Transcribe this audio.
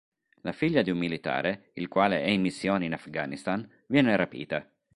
La figlia di un militare, il quale è in missione in Afghanistan, viene rapita.